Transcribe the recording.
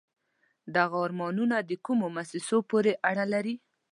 دغه آرمانون د کومو موسسو پورې اړه لري؟